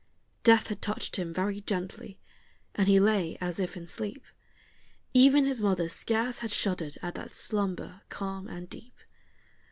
Death had touched him very gently, and he lay as if in sleep; Even his mother scarce had shuddered at that slumber calm and deep.